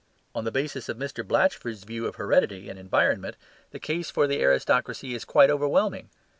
On the basis of Mr. Blatchford's view of heredity and environment, the case for the aristocracy is quite overwhelming.